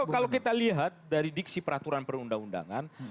kalau kita lihat dari diksi peraturan perundang undangan